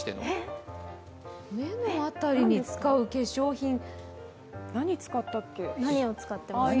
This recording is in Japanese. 目の辺りに使う化粧品、何使ったっけ。